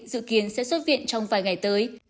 dự kiến sẽ xuất viện trong vài ngày tới